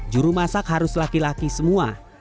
juru masak harus laki laki semua